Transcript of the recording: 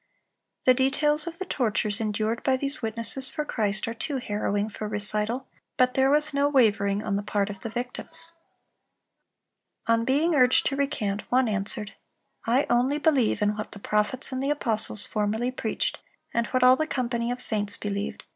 (341) The details of the tortures endured by these witnesses for Christ are too harrowing for recital; but there was no wavering on the part of the victims. On being urged to recant, one answered: "I only believe in what the prophets and the apostles formerly preached, and what all the company of saints believed.